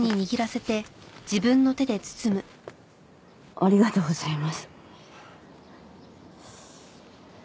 ありがとうございます。